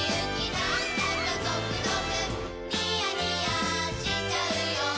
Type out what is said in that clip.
なんだかゾクゾクニヤニヤしちゃうよ